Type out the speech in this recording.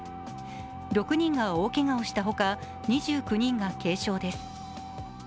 ６人が大けがをしたほか２９人が軽傷です。